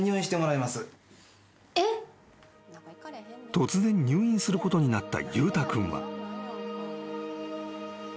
［突然入院することになった裕太君は］